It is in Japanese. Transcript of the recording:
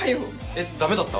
えっダメだった？